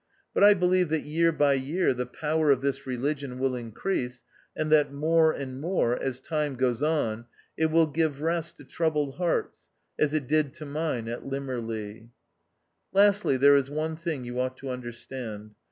But I believe that year by year the power of this religion will increase, and that more and more, as time goes on, it will give rest to troubled hearts, as it did to mine at Lim merleigh. Lastly, there is one thing you ought to understand.